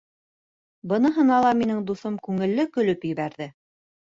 Быныһына ла минең дуҫым күңелле көлөп ебәрҙе: